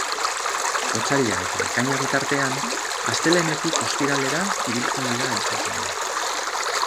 Otsaila eta ekaina bitartean, astelehenetik ostiralera ibiltzen dira itsasoan.